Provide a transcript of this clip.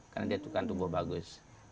karena dia itu kan tumbuh bagus